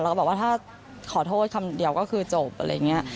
แล้วก็บอกว่าถ้าขอโทษคำเดียวก็คือจบอะไรอย่างนี้